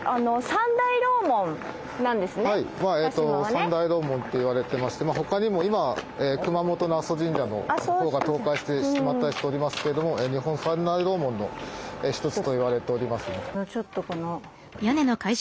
三大楼門と言われてまして他にも今熊本の阿蘇神社のほうが倒壊してしまったりしておりますけども日本三大楼門の一つと言われております。